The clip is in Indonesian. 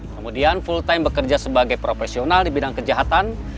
kemudian full time bekerja sebagai profesional di bidang kejahatan